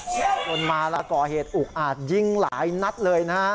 คนมาแล้วก่อเหตุอุกอาจยิงหลายนัดเลยนะฮะ